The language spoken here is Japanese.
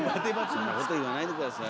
そんなこと言わないで下さい。